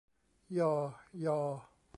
ญอ ยอ